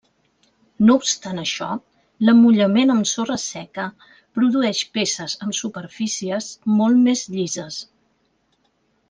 No obstant això, l'emmotllament amb sorra seca produeix peces amb superfícies molt més llises.